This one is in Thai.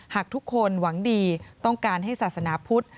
หากทุกคนหวังดีต้องการให้ศาสนาพุทธ